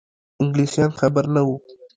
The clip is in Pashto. انګلیسیان خبر نه وه.